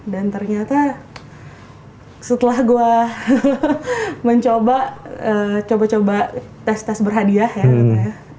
dan ternyata setelah gue mencoba coba coba tes tes berhadiah ya